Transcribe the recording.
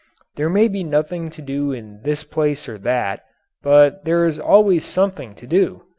There may be nothing to do in this place or that, but there is always something to do.